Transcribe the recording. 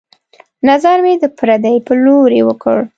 نظر مې د پردې په لورې وکړ